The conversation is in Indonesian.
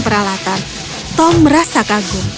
peralatan tom merasa kagum